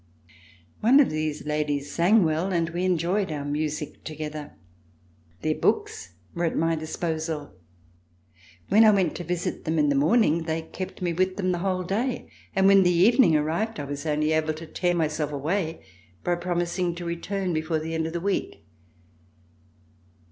One of these ladies sang well, and we enjoyed our music together. Their books were at my disposal. When I went to visit them in the morning they kept me with them the whole day, and, when the evening arrived, I was only able to tear myself away by promising to return before the end of the week.